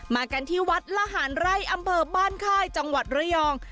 มากันที่วัดละหารไร่อำเภอบ้านค่ายจังหวัดระยอง